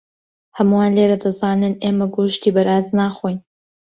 هەمووان لێرە دەزانن ئێمە گۆشتی بەراز ناخۆین.